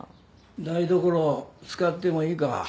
台所使ってもいいか？